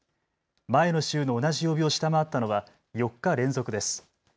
前の週の同じ曜日を下回ったのは４日連続です。